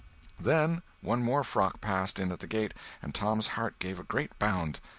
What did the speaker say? Then one more frock passed in at the gate, and Tom's heart gave a great bound.